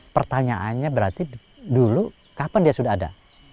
pertanyaannya berarti dulu kapan dia sudah ada